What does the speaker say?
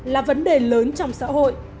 là vấn đề lớn trong xã hội